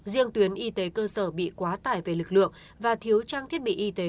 riêng tuyến y tế cơ sở bị quá tải về lực lượng và thiếu trang thiết bị y tế